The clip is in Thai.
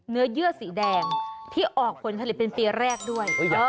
เยื่อสีแดงที่ออกผลผลิตเป็นปีแรกด้วย